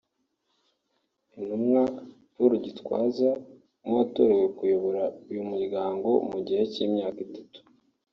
Intumwa Paul Gitwaza nk’uwatorewe kuyobora uyu muryango mu gihe cy’imyaka itatu